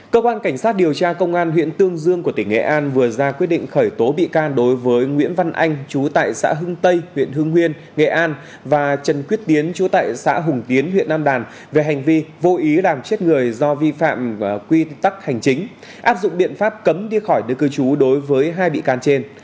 cơ quan cảnh sát điều tra công an huyện tương dương của tỉnh nghệ an vừa ra quyết định khởi tố bị can đối với nguyễn văn anh chú tại xã hưng tây huyện hưng nguyên nghệ an và trần quyết tiến chú tại xã hùng tiến huyện nam đàn về hành vi vô ý làm chết người do vi phạm quy tắc hành chính áp dụng biện pháp cấm đi khỏi nơi cư trú đối với hai bị can trên